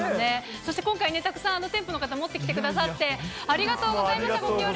そして今回たくさん店舗の方、持ってきてくださって、ありがとうございました、ご協力。